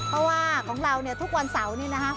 เพราะว่าของเราเนี่ยทุกวันเสาร์นี่นะคะ